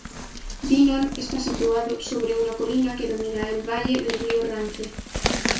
Dinan está situado sobre una colina que domina el valle del río Rance.